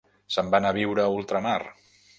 Se'n va anar a viure a ultramar.